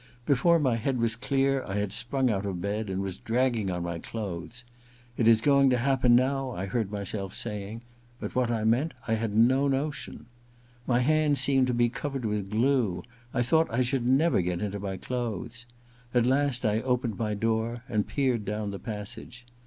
Before my head was clear 1 had sprung out of bed and was dragging on my clothes. // is going to happen now^ I heard my self saying ; but what I meant I had no notion. My hands seemed to be covered with glue — I thought I should never get into my clothes. At last I opened my door and peered down the passage.